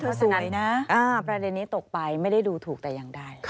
เพราะแสดงประเด็นนี้ตกไปไม่ได้ดูถูกแต่ยังได้